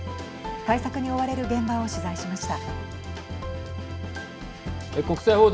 対策に追われる現場を取材しました。